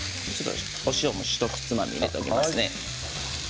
塩もひとつまみ入れておきますね。